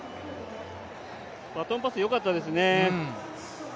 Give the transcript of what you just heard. バトンパス、よかったですね